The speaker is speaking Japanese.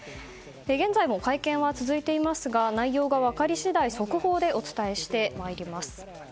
現在も会見は続いていますが内容が分かり次第速報でお伝えしてまいります。